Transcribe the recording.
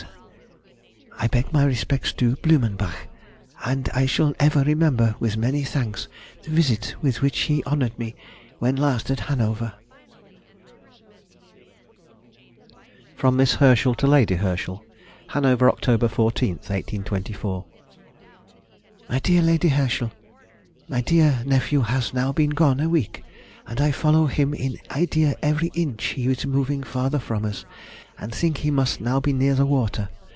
—I beg my respects to ... Blumenbach, and I shall ever remember with many thanks the visit with which he honoured me when last at Hanover. [Sidenote: 1824. Visit from her Nephew.] FROM MISS HERSCHEL TO LADY HERSCHEL. HANOVER, Oct. 14, 1824. MY DEAR LADY HERSCHEL,— My dear nephew has now been gone a week, and I follow him in idea every inch he is moving farther from us, and think he must now be near the water.